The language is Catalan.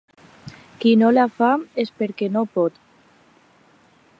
Qui no la fa és perquè no pot.